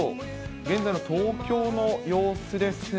現在の東京の様子です。